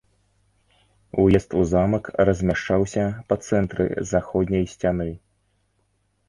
Уезд у замак размяшчаўся па цэнтры заходняй сцяны.